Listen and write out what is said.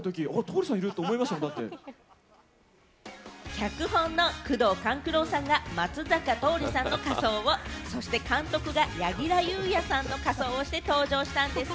脚本の宮藤官九郎さんが松坂桃李さんの仮装を、そして監督が柳楽優弥さんの仮装をして登場したんです！